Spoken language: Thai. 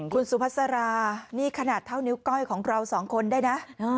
คุณสุภาษารานี่ขนาดเท่านิ้วก้อยของเราสองคนได้นะ